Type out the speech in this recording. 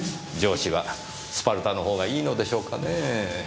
上司はスパルタのほうがいいのでしょうかねぇ。